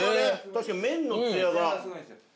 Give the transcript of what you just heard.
確かに麺のツヤが。